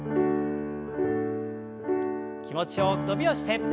気持ちよく伸びをして。